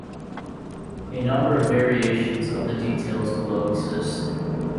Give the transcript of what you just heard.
A number of variations of the details below exist.